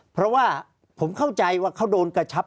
ภารกิจสรรค์ภารกิจสรรค์